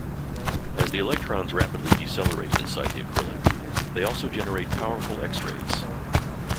As the electrons rapidly decelerate inside the acrylic, they also generate powerful X-rays.